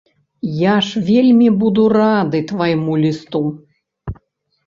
Я ж вельмі буду рады твайму лісту.